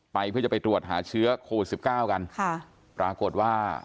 เพื่อจะไปตรวจหาเชื้อโควิดสิบเก้ากันค่ะปรากฏว่า